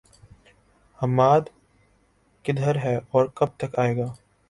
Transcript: حماد، کدھر ہے اور کب تک آئے گا؟